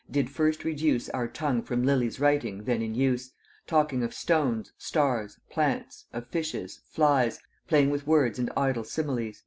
"did first reduce Our tongue from Lilly's writing then in use, Talking of stones, stars, plants, of fishes, flies, Playing with words and idle similies."